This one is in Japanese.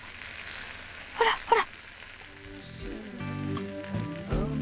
ほらほら。